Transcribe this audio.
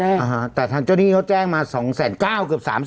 อ่าฮะแต่ท่านเจ้านี่เขาแจ้งมา๒๙๙๐๐๐เกือบ๓๐๐๐๐๐บาท